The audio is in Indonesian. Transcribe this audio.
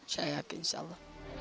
saya yakin insya allah